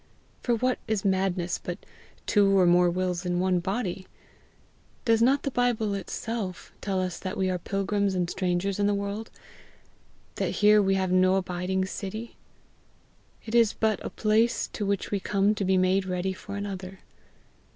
For what is madness but two or more wills in one body? Does not the 'Bible itself tell us that we are pilgrims and strangers in the world, that here we have no abiding city? It is but a place to which we come to be made ready for another.